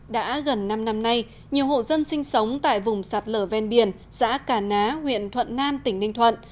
đã gần năm năm nay nhiều hộ dân sinh sống tại vùng sạt lở ven biển xã cà ná huyện thuận nam tỉnh ninh thuận